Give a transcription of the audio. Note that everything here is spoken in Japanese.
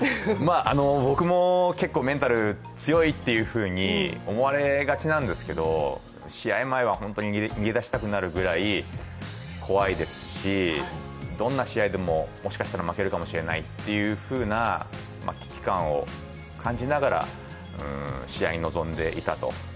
僕も結構メンタル強いというふうに思われがちなんですけれども、試合前は本当に逃げ出したくなるぐらい怖いですし、どんな試合でも、もしかしたら負けるかもしれないっていうふうな危機感を感じながら試合に臨んでいたと。